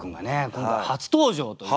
今回初登場ということで。